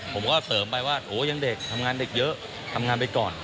ผมก็เสริมไปว่าโอ้ยังเด็กทำงานเด็กเยอะทำงานไปก่อน